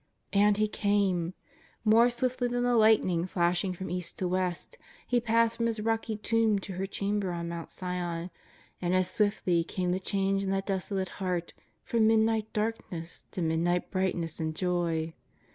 And He came! More swiftly than the lightning flashing from East to West, He passed from His rocky tomb to her chamber on Mount Sion, and as swiftly came the change in that desolate heart from midnight darkness to midday brightness and joy.